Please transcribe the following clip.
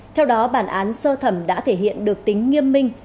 theo đó bản án sơ thẩm đã thể hiện được tính nghiêm minh